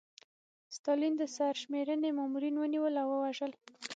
ستالین د سرشمېرنې مامورین ونیول او ووژل.